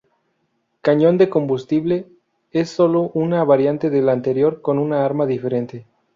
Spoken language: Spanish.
Cañón de combustible: Es solo una variante del anterior con un arma diferente.